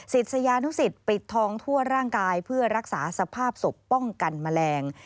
ศิษยานุสิตปิดทองทั่วร่างกายเพื่อรักษาสภาพศพป้องกันแมลง